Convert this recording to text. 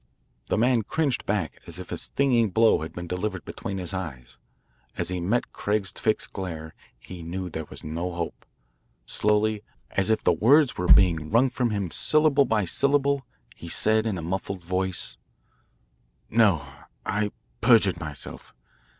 The man cringed back as if a stinging blow had been delivered between his eyes. As he met Craig's fixed glare he knew there was no hope. Slowly, as if the words were being wrung from him syllable by syllable, he said in a muffled voice: "No, I perjured myself.